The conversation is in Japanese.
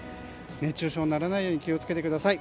熱中症にならないように気を付けてください。